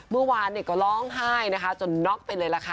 เมื่อวานก็ร้องไห้นะคะจนน็อกไปเลยล่ะค่ะ